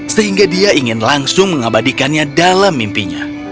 sehingga dia ingin langsung mengabadikannya dalam mimpinya